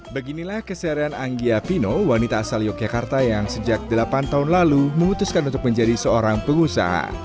beginilah keseharian anggia pino wanita asal yogyakarta yang sejak delapan tahun lalu memutuskan untuk menjadi seorang pengusaha